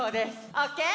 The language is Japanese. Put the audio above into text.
オッケー？